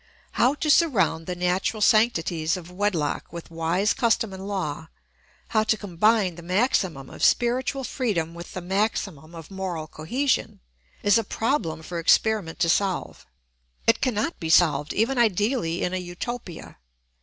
] How to surround the natural sanctities of wedlock with wise custom and law, how to combine the maximum of spiritual freedom with the maximum of moral cohesion, is a problem for experiment to solve. It cannot be solved, even ideally, in a Utopia.